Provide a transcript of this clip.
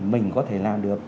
mình có thể làm được